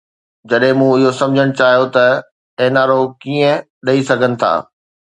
جڏهن مون اهو سمجهڻ چاهيو ته اهي اين آر او ڪيئن ڏئي سگهن ٿا.